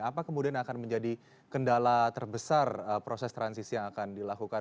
apa kemudian akan menjadi kendala terbesar proses transisi yang akan dilakukan